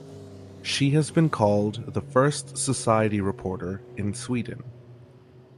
She has been called the first society reporter in Sweden.